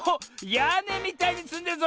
やねみたいにつんでるぞ！